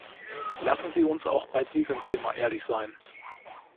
Lassen Sie uns auch bei diesem Thema ehrlich sein.